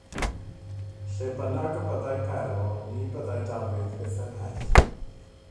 Lle bynnag y byddai Pero, ni byddai Dafydd byth ymhell.